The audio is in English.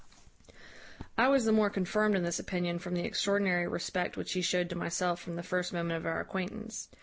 "I was the more confirmed in this opinion from the extraordinary respect which he showed to myself from the first moment of our acquaintance.